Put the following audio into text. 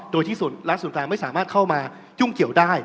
โดยที่รัฐศูนย์กลางไม่สามารถเข้ามายุ่งเกี่ยวได้